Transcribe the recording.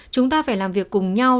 chúng ta phải làm việc cùng nhau